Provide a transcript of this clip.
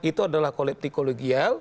itu adalah kolektikologial